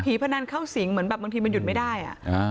พนันเข้าสิงเหมือนแบบบางทีมันหยุดไม่ได้